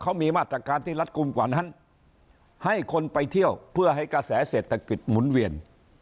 เขามีมาตรการที่รัฐกลุ่มกว่านั้นให้คนไปเที่ยวเพื่อให้กระแสเศรษฐกิจหมุนเวียน